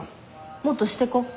もっとしてこ。